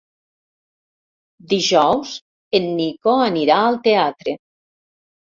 Dijous en Nico anirà al teatre.